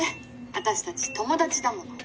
私たち友達だもの」